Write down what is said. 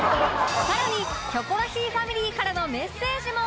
更に『キョコロヒー』ファミリーからのメッセージも